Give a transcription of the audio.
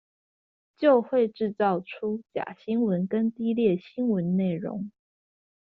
就會製造出假新聞跟低劣新聞內容